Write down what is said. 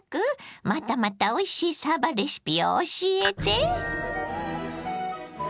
またまたおいしいさばレシピを教えて。